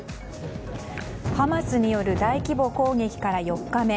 ハマスによる大規模攻撃から４日目。